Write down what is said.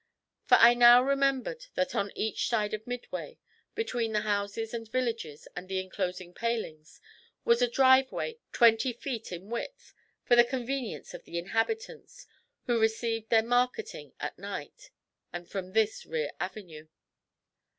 For I now remembered that on each side of Midway, between the houses and villages and the inclosing palings, was a driveway twenty feet in width, for the convenience of the inhabitants, who received their marketing at night, and from this rear avenue.